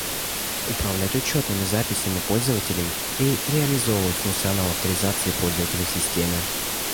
Управлять учетными записями пользователей и реализовывать функционал авторизации пользователей в системе